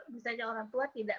misalnya orang tua tidak